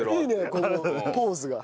このポーズが。